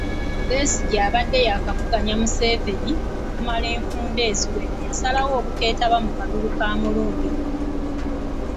Besigye abadde yaakavuganya Museveni okumala enfunda eziwera yasalawo obuteetaba mu kalulu ka mulundi guno.